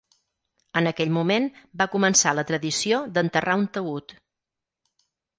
En aquell moment, va començar la tradició d'enterrar un taüt.